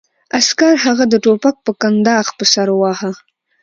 عسکر هغه د ټوپک په کنداغ په سر وواهه